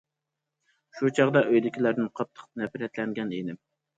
شۇ چاغدا ئۆيدىكىلەردىن قاتتىق نەپرەتلەنگەن ئىدىم.